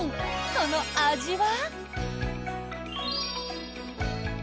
その味は？